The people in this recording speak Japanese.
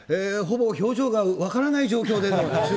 ほぼ表情が分からない状況での中